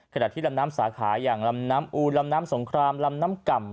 ขณะที่ลำน้ำสาขาอย่างลำน้ำอูลำน้ำสงครามลำน้ำก่ำ